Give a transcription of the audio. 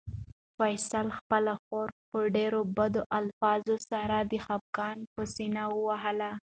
فیصل خپله خور په ډېرو بدو الفاظو سره د خپګان په سېنه ووهله.